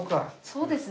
そうですね。